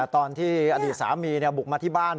ตอนที่อดีตสามีบุกมาที่บ้าน